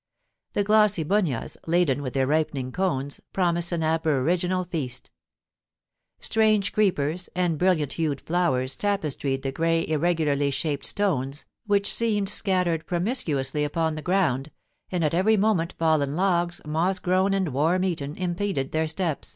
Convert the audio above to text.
The glossy bunyas, laden with their ripening cones, promised an aboriginal feast Strange creepers and brilliant hued flowers tapestried the grey irre gularly shaped stones, which seemed scattered promiscuously upon the ground ; and at every moment fallen logs, moss grown and worm eaten, impeded their steps.